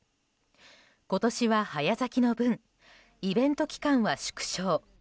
今年は早咲きの分イベント期間は縮小。